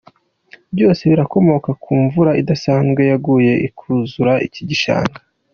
Byose birakomoka ku mvura idasanzwe yaguye ikuzura iki gishanga.